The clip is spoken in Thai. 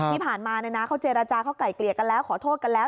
ที่ผ่านมาเขาเจรจาเขาไกลเกลี่ยกันแล้วขอโทษกันแล้ว